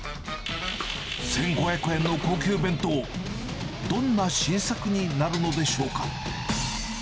１５００円の高級弁当、どんな新作になるのでしょうか。